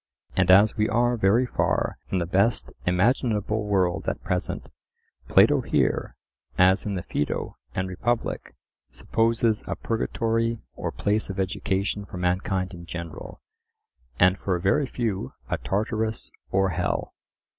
And as we are very far from the best imaginable world at present, Plato here, as in the Phaedo and Republic, supposes a purgatory or place of education for mankind in general, and for a very few a Tartarus or hell.